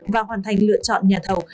và hoàn thành lựa chọn nhà thầu